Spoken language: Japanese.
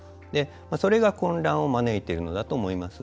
それが混乱を招いてるのだと思います。